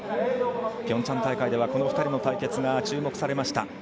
ピョンチャン大会ではこの２人の対決が注目されました。